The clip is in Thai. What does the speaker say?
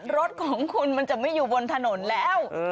รถของคุณมันจะไม่อยู่บนถนนแล้ว